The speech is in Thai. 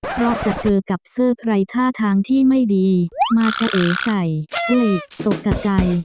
เพราะจะเจอกับเสิร์ฟไร้ท่าทางที่ไม่ดีมาจะเอ๋ใส่อุ้ยตกกัดใจ